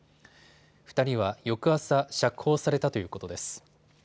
２人は翌朝、釈放されたということです。